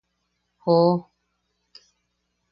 ¡joo!.